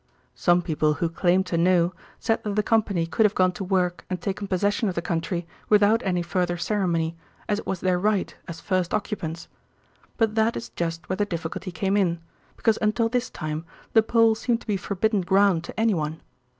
Some people who claimed to know said that the Company could have gone to work and taken possession of the country without any further ceremony, as it was their right as first occupants. But that is just where the difficulty came in, because until this time the Pole seemed to be forbidden ground to any one.